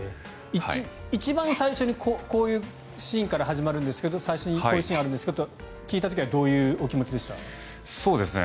一番最初にこういうシーンから始まるんですけど最初にこういうシーンがあると聞いた時はどういうお気持ちでした？